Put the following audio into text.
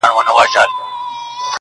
نه زارۍ دي سي تر ځایه رسېدلای!